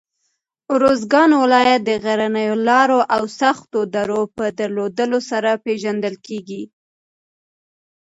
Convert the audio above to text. اروزګان ولایت د غرنیو لاره او سختو درو په درلودلو سره پېژندل کېږي.